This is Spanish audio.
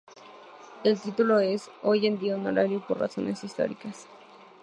El título es, hoy en día, honorario por razones históricas.